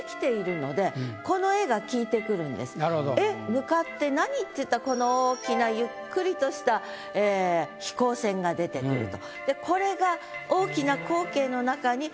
向かって何っていったらこの大きなゆっくりとしたええ「飛行船」が出てくると。